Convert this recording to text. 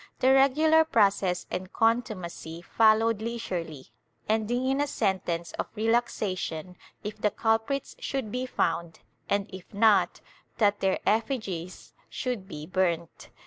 The regular process in contumacy followed leisurely, ending in a sentence of relaxation if the culprits should be found and if not, that their effigies should be burnt.